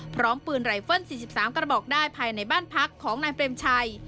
พร้อมปืนไลเฟิล๔๓กระบอกได้ภายในบ้านพักของนายเปรมชัย